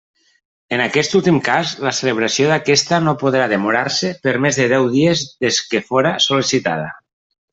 En aquest últim cas, la celebració d'aquesta no podrà demorar-se per més de deu dies des que fóra sol·licitada.